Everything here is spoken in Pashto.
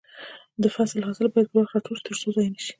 د فصل حاصل باید پر وخت راټول شي ترڅو ضايع نشي.